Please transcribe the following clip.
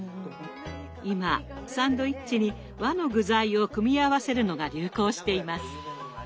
今サンドイッチに和の具材を組み合わせるのが流行しています。